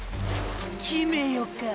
決めよか？